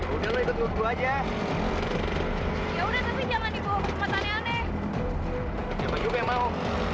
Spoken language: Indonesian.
udah lu ikut aja ya udah tapi jangan ibu kematiannya mau